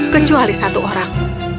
kecuali satu orang